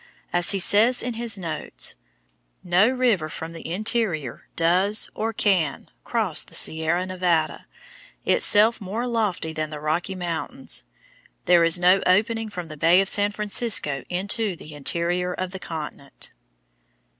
As he says in his notes: "No river from the interior does, or can, cross the Sierra Nevada, itself more lofty than the Rocky Mountains... There is no opening from the Bay of San Francisco into the interior of the continent."